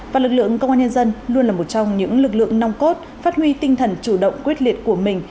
và lực lượng công an nhân dân luôn là một trong những lực lượng nong cốt phát huy tinh thần chủ động quyết liệt của mình